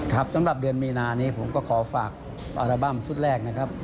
สำหรับเดือนมีนานี้ผมก็ขอฝากอัลบั้มชุดแรกนะครับ